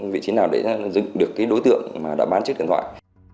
vị trí nào để dựng được đối tượng đã bán chiếc điện thoại